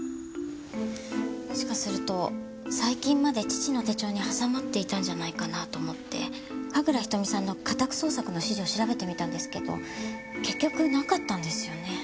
もしかすると最近まで父の手帳に挟まっていたんじゃないかなと思って神楽瞳さんの家宅捜索の資料調べてみたんですけど結局なかったんですよね。